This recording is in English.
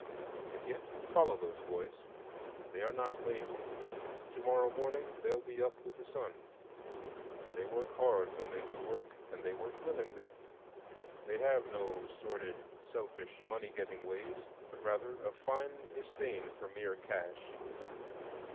And yet follow those boys: they are not lazy; to morrow morning they'll be up with the sun; they work hard when they do work, and they work willingly. They have no sordid, selfish, money getting ways, but rather a fine disdain for mere cash.